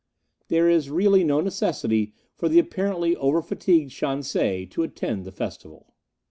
There is really no necessity for the apparently over fatigued Shan se to attend the festival.